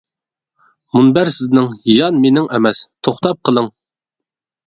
مۇنبەر سىزنىڭ يان مىنىڭ ئەمەس، توختاپ قېلىڭ!